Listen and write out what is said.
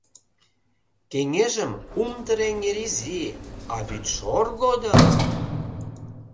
Кеҥежым Умдыр эҥер изи, а вӱдшор годым!..